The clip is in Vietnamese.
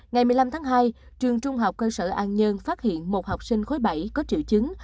ngày một mươi năm tháng hai trường trung học cơ sở an nhơn phát hiện một học sinh khối bảy có triệu chứng